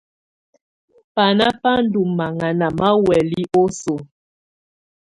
Banà bà ndù mahana ma huɛ̀lɛ oso.